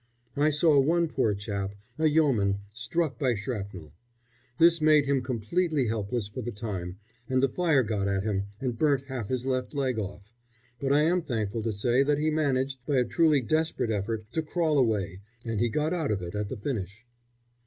I saw one poor chap, a Yeoman, struck by shrapnel. This made him completely helpless for the time, and the fire got at him and burnt half his left leg off; but I am thankful to say that he managed, by a truly desperate effort, to crawl away, and he got out of it at the finish.